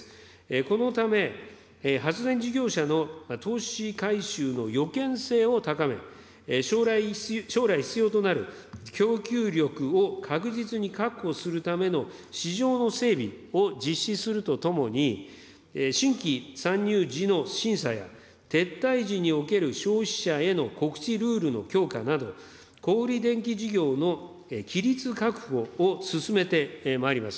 このため、発電事業者の投資回収の予見性を高め、将来必要となる供給力を確実に確保するための市場の整備を実施するとともに、新規参入時の審査や、撤退時における消費者への告知ルールの強化など、小売り電気事業の規律確保を進めてまいります。